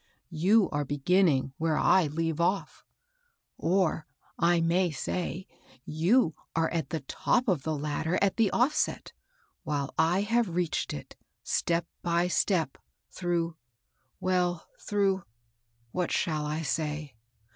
You are beginning where 1 leave off; or, I may say, you are at the top of the ladder at the ofiset, while I have reached it, step by step, through — well, through — what shall I say